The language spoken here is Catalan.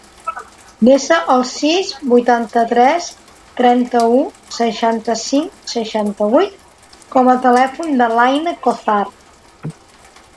Desa el sis, vuitanta-tres, trenta-u, seixanta-cinc, seixanta-vuit com a telèfon de l'Ànnia Cozar.